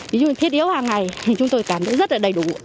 ví dụ như thiết yếu hàng ngày thì chúng tôi cảm thấy rất là đầy đủ